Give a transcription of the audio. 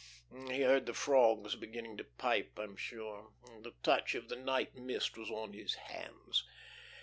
He heard the frogs beginning to pipe, I'm sure, and the touch of the night mist was on his hands.